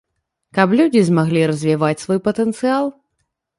Каб людзі змаглі развіваць свой патэнцыял.